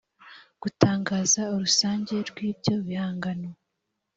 gutangaza urusange rw ibyo bihangano